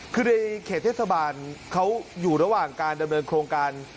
คือในเขตเทศบาลเขาอยู่ระหว่างการดำเนินโครงการ